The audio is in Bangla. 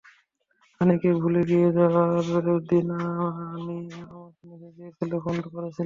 আনিকে তুলে নিয়ে যাওয়ার দিনে আনি আমাকে মেসেজ দিয়েছিল, ফোন করেছিল।